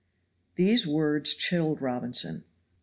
These words chilled Robinson.